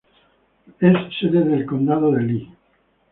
Es sede del condado de Lee.